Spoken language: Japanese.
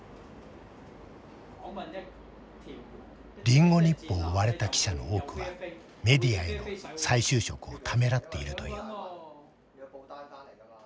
リンゴ日報を追われた記者の多くはメディアへの再就職をためらっているという。